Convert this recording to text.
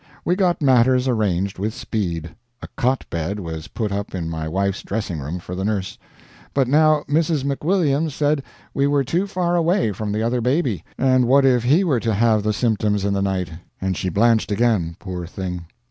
We got matters arranged with speed. A cot bed was put up in my wife's dressing room for the nurse. But now Mrs. McWilliams said we were too far away from the other baby, and what if he were to have the symptoms in the night and she blanched again, poor thing.